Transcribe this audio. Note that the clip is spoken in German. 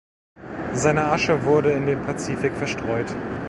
Seine Asche wurde in den Pazifik verstreut.